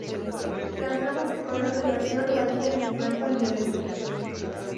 Las gamas de color de la flor varía del blanco al violeta.